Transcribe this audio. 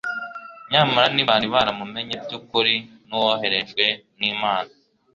nyamara ntibari baramumenye by'ukuri n'Uwoherejwe n'Imana.